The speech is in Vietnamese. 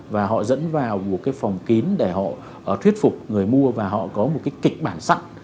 và họ dẫn vào một cái phòng kín để họ thuyết phục người mua và họ có một cái kịch bản sẵn